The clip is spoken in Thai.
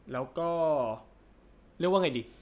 แล้วก็เรียกว่าไงดี